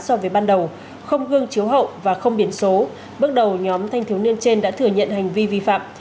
so với ban đầu không gương chiếu hậu và không biển số bước đầu nhóm thanh thiếu niên trên đã thừa nhận hành vi vi phạm